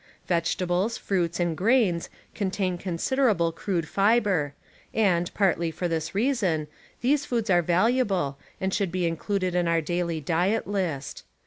Vegetables, fruits and grains contain considerable crude fiber, and, partly for this reason, these foods are valuable and should be included in our daily diet list.